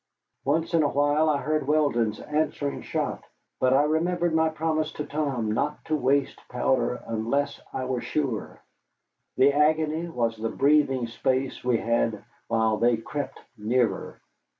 Once in a while I heard Weldon's answering shot, but I remembered my promise to Tom not to waste powder unless I were sure. The agony was the breathing space we had while they crept nearer.